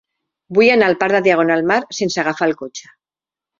Vull anar al parc de Diagonal Mar sense agafar el cotxe.